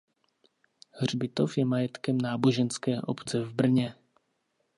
Hřbitov je majetkem náboženské obce v Brně.